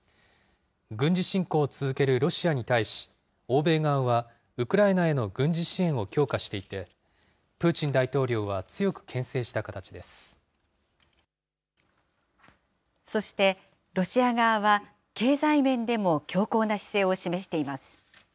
軍事侵攻を続けるロシアに対し、欧米側はウクライナへの軍事支援を強化していて、プーチン大統領そして、ロシア側は経済面でも強硬な姿勢を示しています。